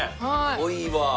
濃いわ。